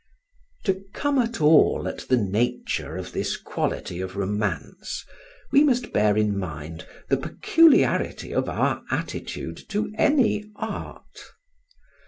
To come at all at the nature of this quality of romance, we must bear in mind the peculiarity of our attitude to any art.